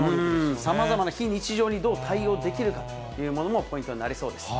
さまざまな非日常にどう対応できるかというものもポイントになりそうです。